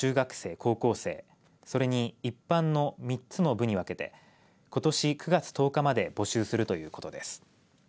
小学生以下と中学生、高校生それに一般の３つの部に分けてことし９月１０日まで募集するということです。